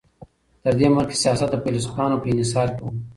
تر دې مخکي سياست د فيلسوفانو په انحصار کي و.